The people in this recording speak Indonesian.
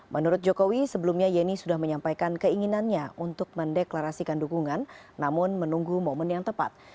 menurut jokowi sebelumnya yeni sudah menyampaikan keinginannya untuk mendeklarasikan dukungan namun menunggu momen yang tepat